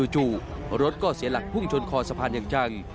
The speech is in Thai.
จู่รถก็เสียหลักพุ่งชนคอสะพานอย่างจัง